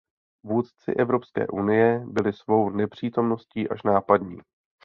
Vůdci Evropské unie byli svou nepřítomností až nápadní.